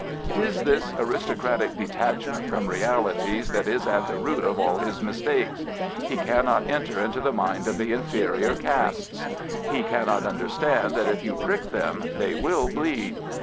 It is this aristocratic detachment from realities that is at the root of all his mistakes. He cannot enter into the mind of the inferior castes. He cannot understand that if you prick them, they will bleed.